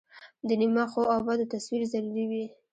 د نیمه ښو او بدو تصویر ضروري وي.